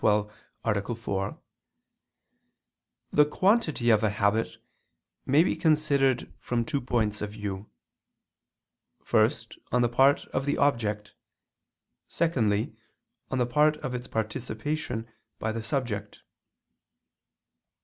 4), the quantity of a habit may be considered from two points of view: first, on the part of the object; secondly, on the part of its participation by the subject.